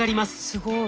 すごい。